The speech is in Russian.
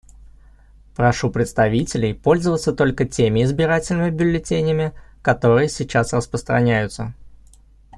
Прошу представителей пользоваться только теми избирательными бюллетенями, которые сейчас распространяются.